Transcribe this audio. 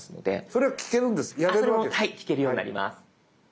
それも聴けるようになります。